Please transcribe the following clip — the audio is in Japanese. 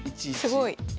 すごい。